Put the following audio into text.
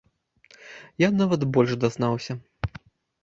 Я нават больш дазнаўся.